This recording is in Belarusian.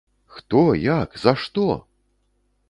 Хто, як, за што?!.